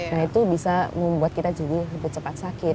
nah itu bisa membuat kita jadi lebih cepat sakit